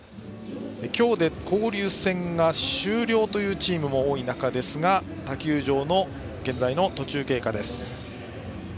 今日で交流戦が終了というチームも多い中ですが他球場の現在の途中経過です。